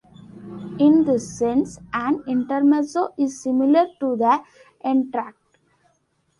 In this sense, an intermezzo is similar to the entr'acte.